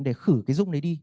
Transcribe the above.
để khử cái rung đấy đi